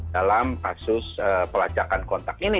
dalam kasus pelacakan kontak